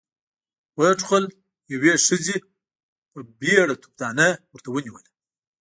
ويې ټوخل، يوې ښځې په بيړه توفدانۍ ورته ونېوله.